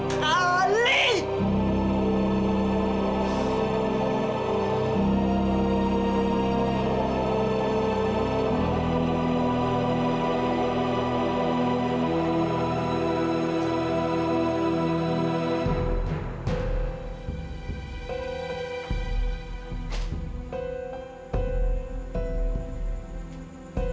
kita harus negatif